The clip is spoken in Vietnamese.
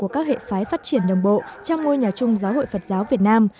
các hệ phái phát triển đồng bộ trong ngôi nhà chung giáo hội phật giáo việt nam